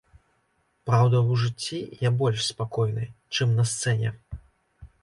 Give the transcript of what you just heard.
Праўда, у жыцці я больш спакойны, чым на сцэне.